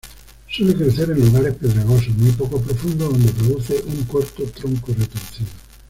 Suele crecer en lugares pedregosos muy poco profundos, donde produce un corto tronco retorcido.